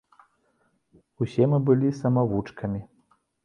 Усе мы былі самавучкамі.